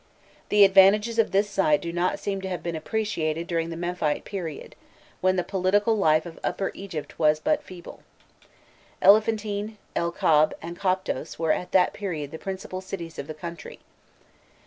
The advantages of this site do not seem to have been appreciated during the Memphite period, when the political life of Upper Egypt was but feeble. Elephantine, El Kab, and Koptos were at that period the principal cities of the country.